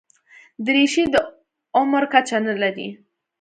دریشي د عمر کچه نه لري.